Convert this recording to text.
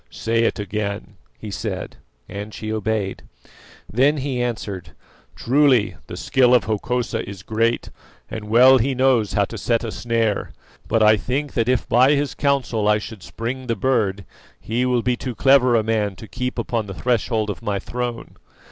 "Say it again," he said, and she obeyed. Then he answered: "Truly the skill of Hokosa is great, and well he knows how to set a snare; but I think that if by his counsel I should springe the bird, he will be too clever a man to keep upon the threshold of my throne.